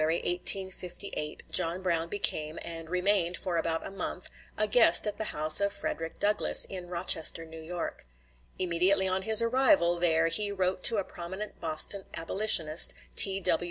At the beginning of February, 1858, John Brown became, and remained for about a month, a guest at the house of Frederick Douglass, in Rochester, New York. Immediately on his arrival there he wrote to a prominent Boston abolitionist, T.W.